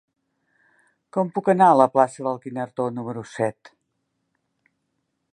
Com puc anar a la plaça del Guinardó número set?